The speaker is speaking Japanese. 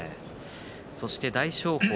そして大翔鵬。